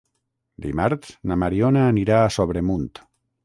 Dimarts na Mariona anirà a Sobremunt.